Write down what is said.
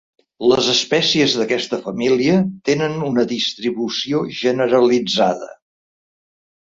Les espècies d’aquesta família tenen una distribució generalitzada.